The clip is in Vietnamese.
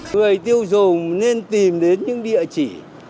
với tiêu dùng nên tìm đến những địa chỉ